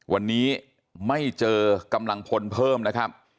วันนี้ไม่เจอกำลังพลเพิ่มนะครับ